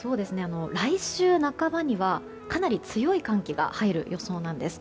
来週半ばにはかなり強い寒気が入る予想なんです。